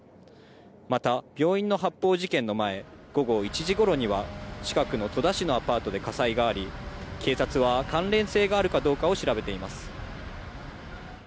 また病院の発砲事件の前、午後１時ごろには、近くの戸田市のアパートで火災があり、警察は関連性があるかどうかを調べています。